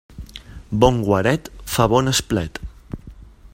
Bon guaret fa bon esplet.